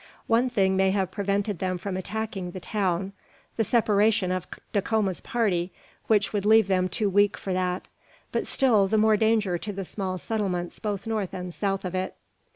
One thing may have prevented them from attacking the town: the separation of Dacoma's party, which would leave them too weak for that; but still the more danger to the small settlements both north and south of it."